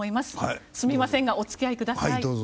すみませんがお付き合いください。